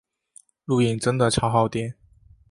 录影真的超耗电